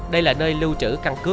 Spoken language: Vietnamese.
đây là nơi lưu trữ căn cứ